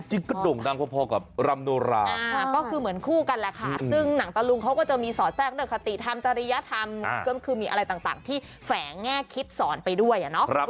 จริงตรงดังพอกับยคือเหมือนคู่กันเลย